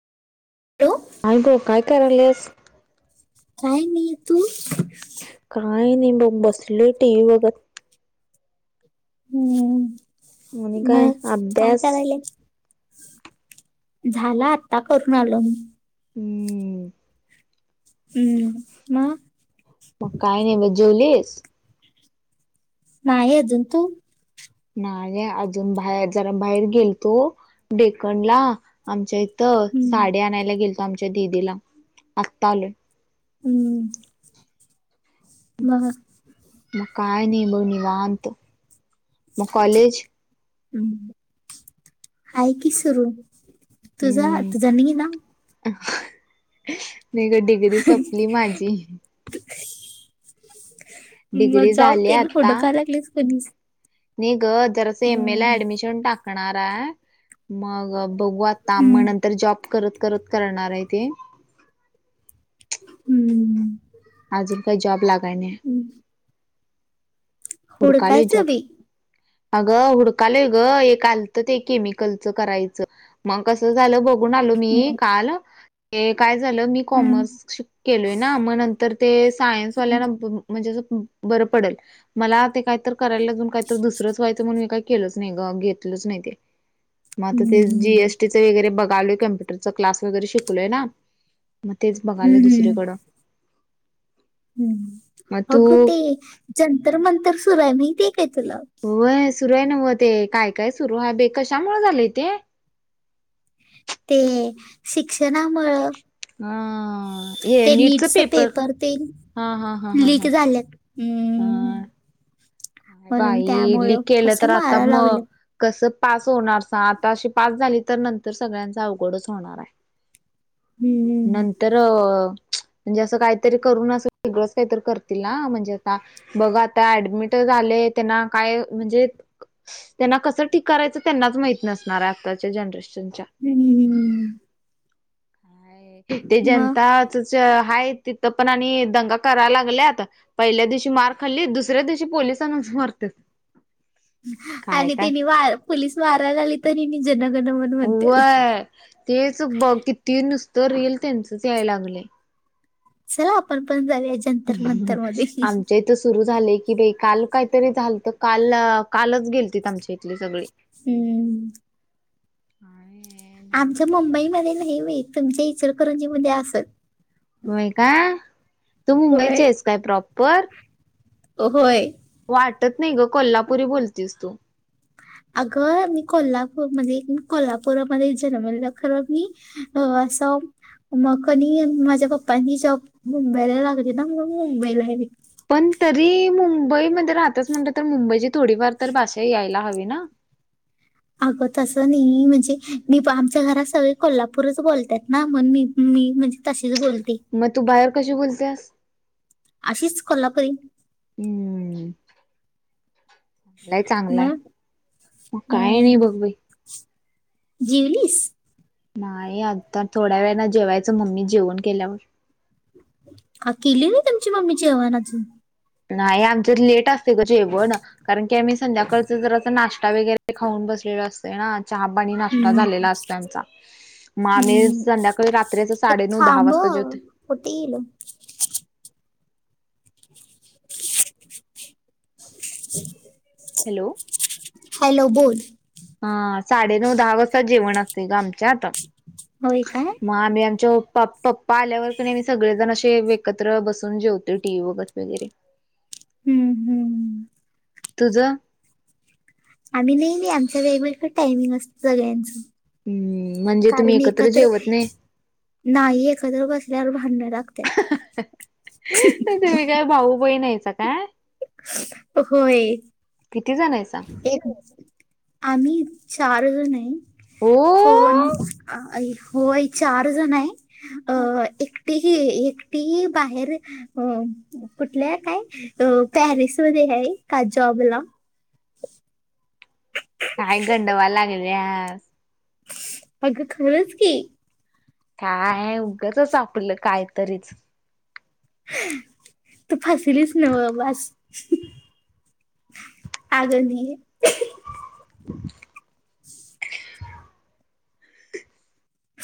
[inaudible] [unintelligible] गो काय करायलेस? काय नाही तू? काय नी बघ, बसलोय टि व्ही बगत. आणि हम्म काय मग काय अभ्यास करायले? झाला आता करून आलो. हम्म. हम्म मग? मग काय नाही बघ जेवलीस? नाई अजून तु? नाही अजून बाहेर जरा बाहेर गेलतो डेकणला आमच्या इथं हम्म, साडी आणायला गेलतो आमच्या दीदीला आत्ता आलोय. हम्म. मग? मग काय नाही बघ निवांत मग कॉलेज? आहे कि सरू तुझं? हम्म तुझा नाही ना? नाही ग डिग्री संपली माझी. मग डिग्री जॉब झाली तेन आता हुडकाय लागलीस का नाही? नाही ग जरास एम ए ला ऍडमिशन टाकणार आहे मग बघू आता मग हम्म, नंतर जॉब करत करत करणार आहे ते. हम्म. अजून काही जॉब लागायणे. हम्म. हुडकायलो हुडकायचं जॉब. बी अगं हुडकालोय ग एक आलतं ते केमिकलचं करायचं. मग कसं झालं बघून आलो मी हम्म, काल ते काय झालं मी हम्म, कॉमर्स केलोय ना, मग नंतर ते सायन्सवाल्यांना हम्म, म्हणजे अस बरं पडेल मला ते काही तर करायला जाऊन काही तर दुसरंच व्हायचं म्हणून केलोच नाही ग, घेतलच नाही ते मग आ ते हम्म, जीएस टी च वगैरे बघालोय कम्प्युटरच क्लास वगैरे शिकलोय ना. म तेच बघालोय हम्म, दुसरीकडं. मग हम्म अगं तू ते जंतर मंतर सुरू आह माहितेय काय तुला? व्हय सुरू हाय नव्ह ते, काय- काय सुरू आहे बाय कशामुळे झालय ते? ते शिक्षणामुळं. हा [inaudible] हे ते नीटच का पेपर तेन हा हा हा हा लीक हा हा झाल्यात. अम्...... काय बाई लीक केलं तर आता मारा म लागलं कस पास होणार सा- आता अशी पास झाली तर नंतर सगळ्यांच अवघडच होणाराय. [inaudible] हम्म नंतर... [inaudible] म्हणजे असं काहीतरी करून अस वेगळंच कायतर करतील ना. म्हणजे आता बघ आता ऍडमिट ट झालय त्यांना काय? म्हणजे, त्यांना कसं ठीक करायचं त्यांनाच माहित नसणार आहे आत्ताच्या जनरेशनच्या. हम् ह. [unintelligible] ते मग जनताच च हाय तिथं पण आणि दंगा कराय लागल्यात. पहिल्या दिवशी मार खाल्लीत. दुसऱ्या दिवशी पोलिसांनाच मारत्यात. आणि त्यांनी वार -पोलीस मारायला आली तरी जनगन म्हण म्हणत्यात. हा. [unintelligible] तेच बघ किती नुसतं रिल तेंचच याय लागलंय. चला आपण पण जाऊया जि [inaudible] आमच्या इथ थं सुरु झालय की बाय, काल काहीतरी झाल तर काल कालच गेलतीत आमच्या इथली सगळी. हम्म. आणि [unintelligible] आमच्या मुंबईमध्ये नाही बाई, तुमच्या इचलकरंजीमध्येध् असत. होय काय? तू मुंबईची होय हायस काय प्रॉपर? अ होय. वाटत नाही ग कोल्हापुरी बुलतीस तू. अगं मी कोल्हापूर मध्ये कोल्हापुरामध्ये जन्मलेलं खरं मी. ह आ अस मग कणी माझ्या पप्पांनी जॉब मुंबईला लागली ना मग मुंबईला गेली. पण तरी, मुंबईमध्ये राहतच म्हणटलं तर मुंबईची थोडीफार तर भाषा यायला हवी ना. अगं तसं नाही म्हणजे मी- आमच्या घरात सगळे कोल्हापूरच बोलत्यात ना म्हणून मी -मी म्हणजे तशीच बोलती. मग तू बाहेर कशी बुलत्यास. अशीच कोल्हापुरी. हम्म नाही चांगलाय, मग मग काय नाही बघ बाई. जिवलीस? नाही आता थोड्या वेळाला जेवायचं मम्मी जेवण केल्यावर. आ केली नाही तुमची मम्मी जेवण अजून? नाही आमच्यात लेट असतय ग जेवण. कारण की आम्ही संध्याकाळच जरस नाश्ता वगैरे खाऊन बसलेलो असतोय ना. चहा पाणी नाश्ता हम्म, झालेला असतोय आमचा. म आम्ही हम्म. संध्याकाळी रात्री साडेनऊ दहा थांब वाजता जेवतोय. कुठे गेल? [inaudible] हॅलो. हॅलो बोल. हा साडेनऊ दहा वासता जेवण असतय ग आमच्यात. होय काय? म आम्ही आमच्या पप्पा आल्यावर कनी आम्ही सगळेजण असे एकत्र बसून जेवतोय टी व्ही बगत वगैरे. [inaudible] हम्म हम्म. तुझं? आम्ही नाही बाई आमच वेगवेगळं टायमिंग असत सगळ्यांचं. हम्म म्हणजे तुम्ही कारण एकत्र जेवत नाही नाही एकत्र बसल्यावर भांडण लागत्यात. तुम्ही काय भाऊ बहीण आहिसा काय? होय, किती जण आहेसा एक आम्ही चार जण ये, हो पण होय चार जण आहे, अ एक तिही एकटी ही बाहेर अ कुठल्या काय अ पॅरिसमध्ये हाय का जॉबला. काय गंडवाय लागल्यास. अग खरंच की. काय उगंचच आपलं कायतरीच. तू फसलीच नव बास. आगे नाही